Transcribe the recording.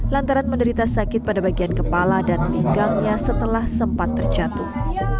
lantaran menderita sakit pada bagian kepala dan pinggangnya setelah sempat terjatuh